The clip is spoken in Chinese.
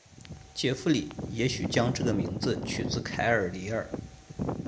杰佛里也许将这个名字取自凯尔李尔。